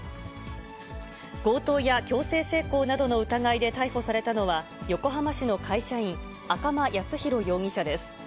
強盗や強制性交などの疑いで逮捕されたのは、横浜市の会社員、赤間靖浩容疑者です。